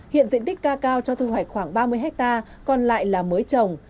hiện diện tích ca cao cho thu hoạch khoảng ba mươi hectare còn lại là mới trồng